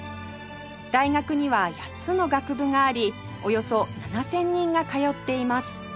大学には８つの学部がありおよそ７０００人が通っています